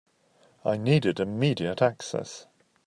I needed immediate access.